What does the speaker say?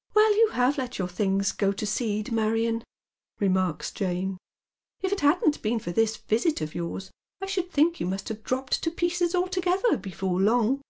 " Well, you have let your tilings go to seed, Marion," remarlw Jane. "If it hadn't been for tliis visit of yours I should think you must have dropped to pieces altogether before long."